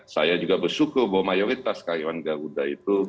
saya juga bersyukur bahwa mayoritas karyawan garuda itu